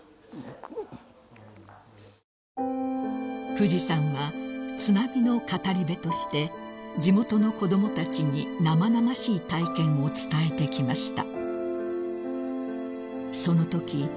［フジさんは津波の語り部として地元の子供たちに生々しい体験を伝えてきました］